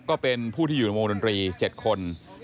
ก็เป็นผู้ที่อยู่ในวงดนตรี๗คน